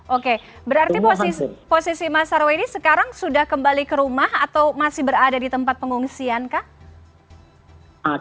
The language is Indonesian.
oke berarti posisi mas arwedi sekarang sudah kembali ke rumah atau masih berada di tempat pengungsian kak